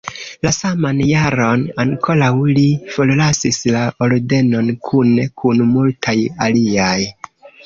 La saman jaron ankoraŭ li forlasis la ordenon kune kun multaj aliaj.